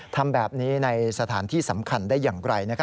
ทำแบบนี้ในสถานที่สำคัญได้อย่างไร